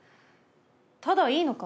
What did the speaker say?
ただいいのか？